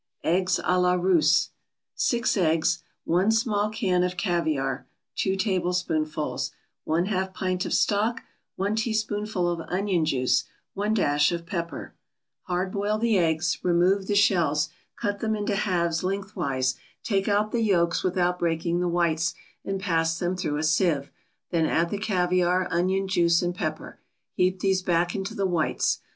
EGGS A LA RUSSE 6 eggs 1 small can of caviar (2 tablespoonfuls) 1/2 pint of stock 1 teaspoonful of onion juice 1 dash of pepper Hard boil the eggs, remove the shells, cut them into halves lengthwise; take out the yolks without breaking the whites, and press them through a sieve, then add the caviar, onion juice and pepper. Heap these back into the whites.